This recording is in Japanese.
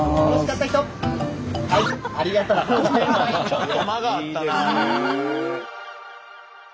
ちょっと間があったな。